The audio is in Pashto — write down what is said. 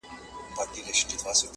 چي پر خوله به یې راتله هغه کېدله.!